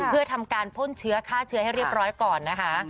เพื่อทำการพ่นเชื้อฆ่าเชื้อให้เรียบร้อยก่อนนะคะ